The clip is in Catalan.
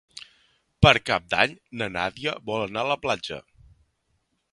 Per Cap d'Any na Nàdia vol anar a la platja.